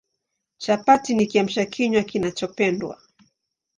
Chapati ni Kiamsha kinywa kinachopendwa